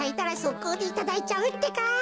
こうでいただいちゃうってか！